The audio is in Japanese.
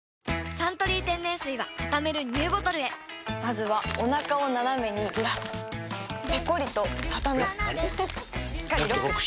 「サントリー天然水」はたためるＮＥＷボトルへまずはおなかをナナメにずらすペコリ！とたたむしっかりロック！